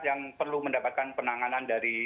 yang perlu mendapatkan penanganan dari